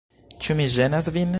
Ĉu mi ĝenas vin?